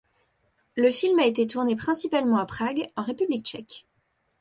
Le film a été tourné principalement à Prague en République tchèque.